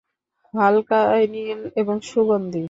হালকা নীল এবং সুগন্ধি।